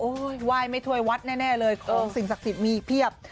ไหว้ไม่ถ้วยวัดแน่เลยของสิ่งศักดิ์สิทธิ์มีเพียบ